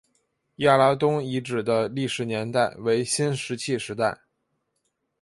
亚拉东遗址的历史年代为新石器时代。